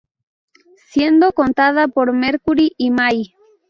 Siendo cantada por Mercury y May.